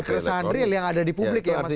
keresahan real yang ada di publik ya mas ya